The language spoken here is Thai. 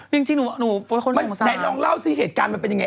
จริงจริงหนูคนสงสารไหนลองเล่าสิเหตุการณ์มันเป็นยังไง